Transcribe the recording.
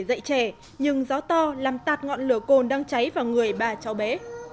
dạy trẻ nhưng gió to làm tạt ngọn lửa cồn đang cháy vào người ba cháu bé